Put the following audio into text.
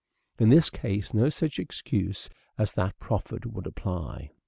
In this case no such excuse as that proffered would apply.